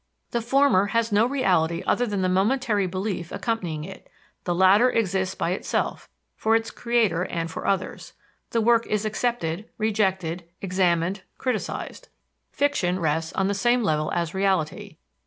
The former has no reality other than the momentary belief accompanying it; the latter exists by itself, for its creator and for others; the work is accepted, rejected, examined, criticised. Fiction rests on the same level as reality.